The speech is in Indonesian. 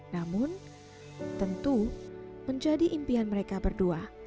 namun tentu menjadi impian mereka berdua